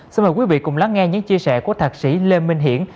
xin mời quý vị cùng lắng nghe những chia sẻ của thạc sĩ lê minh hiển